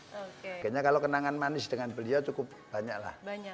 kayaknya kalau kenangan manis dengan beliau cukup banyak lah